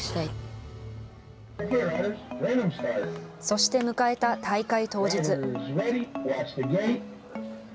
そして迎えた大会当日。